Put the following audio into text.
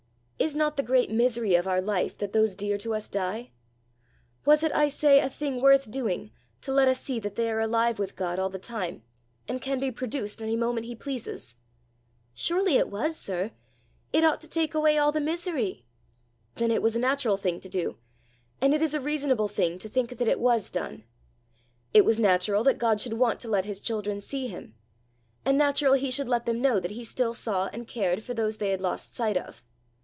Is not the great misery of our life, that those dear to us die? Was it, I say, a thing worth doing, to let us see that they are alive with God all the time, and can be produced any moment he pleases?" "Surely it was, sir! It ought to take away all the misery!" "Then it was a natural thing to do; and it is a reasonable thing to think that it was done. It was natural that God should want to let his children see him; and natural he should let them know that he still saw and cared for those they had lost sight of.